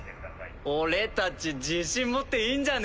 俺たち自信持っていいんじゃね？